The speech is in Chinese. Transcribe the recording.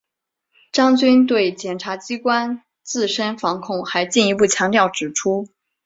张军对检察机关自身防控还进一步强调指出